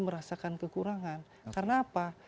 merasakan kekurangan karena apa